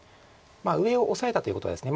上をオサえたということはですね